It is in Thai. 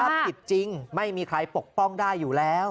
ถ้าผิดจริงไม่มีใครปกป้องได้อยู่แล้ว